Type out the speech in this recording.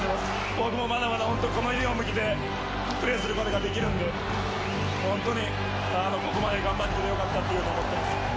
僕もまだまだこのユニホーム着て、プレーすることができるんで、本当に、ここまで頑張ってきて、よかったと思ってます。